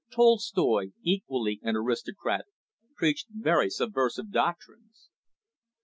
Tolstoi, equally an aristocrat, preached very subversive doctrines.